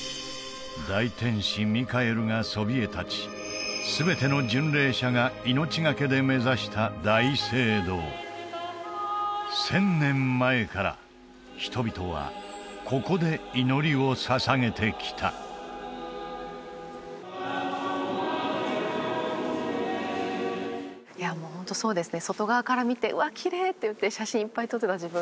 大天使ミカエルがそびえ立ち全ての巡礼者が命懸けで目指した１０００年前から人々はここで祈りを捧げてきたいやもうホントそうですね